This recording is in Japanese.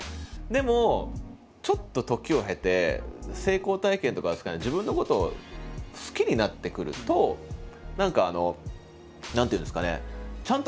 でもちょっと時を経て成功体験とかなんですかね自分のことを好きになってくると何か何ていうんですかね